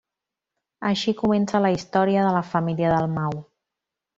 Així comença la història de la família Dalmau.